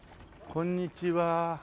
こんにちは。